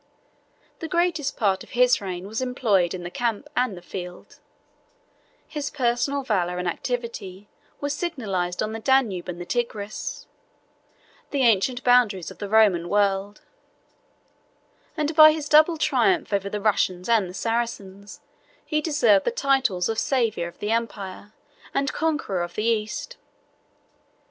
The greatest part of his reign was employed in the camp and the field: his personal valor and activity were signalized on the Danube and the Tigris, the ancient boundaries of the Roman world; and by his double triumph over the Russians and the Saracens, he deserved the titles of savior of the empire, and conqueror of the East.